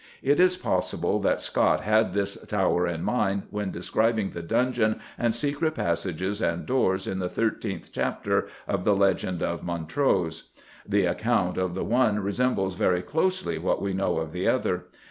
It is possible that Scott had this tower in mind when describing the dungeon and secret passages and doors in the thirteenth chapter of the Legend of Montrose. The account of the one resembles very closely what we know of the other.